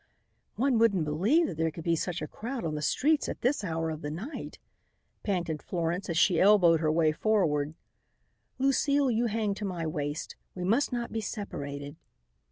"One wouldn't believe that there could be such a crowd on the streets at this hour of the night," panted Florence, as she elbowed her way forward. "Lucile, you hang to my waist. We must not be separated."